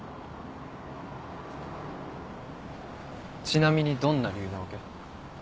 ちなみにどんな理由なわけ？